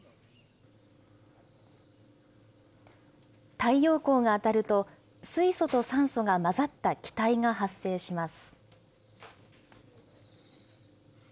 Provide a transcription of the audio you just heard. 太陽光が当たると、水素と酸素が混ざった気体が発生します。